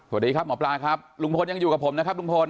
สวัสดีครับหมอปลาครับลุงพลยังอยู่กับผมนะครับลุงพล